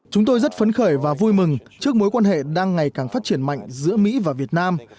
chúng tôi rất phấn khởi và vui mừng trước mối quan hệ đang ngày càng phát triển mạnh giữa mỹ và việt nam